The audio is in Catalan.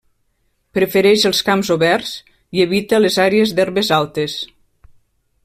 Prefereix els camps oberts i evita les àrees d'herbes altes.